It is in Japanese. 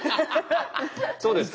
そうですか。